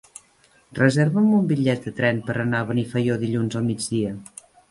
Reserva'm un bitllet de tren per anar a Benifaió dilluns al migdia.